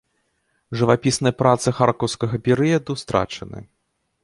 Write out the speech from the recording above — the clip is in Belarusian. Жывапісныя працы харкаўскага перыяду страчаны.